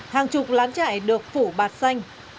hàng chục lán chạy được phủ bạt xanh